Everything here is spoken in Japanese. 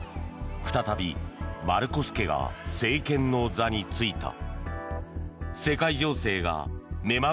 再びマルコス家が政権の座に就いた。